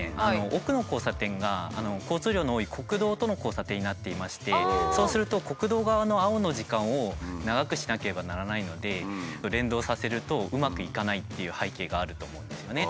奥の交差点が交通量の多い国道との交差点になっていましてそうすると国道側の青の時間を長くしなければならないので連動させるとうまくいかないという背景があると思うんですよね。